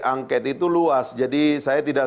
angket itu luas jadi saya tidak